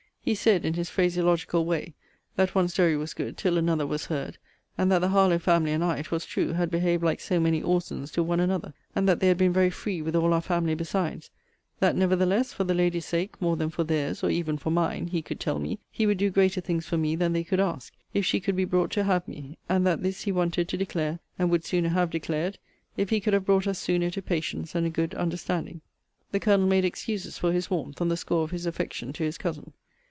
He said, in his phraseological way, That one story was good till another was heard; and that the Harlowe family and I, 'twas true, had behaved like so many Orsons to one another; and that they had been very free with all our family besides: that nevertheless, for the lady's sake, more than for their's, or even for mine, (he could tell me,) he would do greater things for me than they could ask, if she could be brought to have me: and that this he wanted to declare, and would sooner have declared, if he could have brought us sooner to patience, and a good understanding. The Colonel made excuses for his warmth, on the score of his affection to his cousin.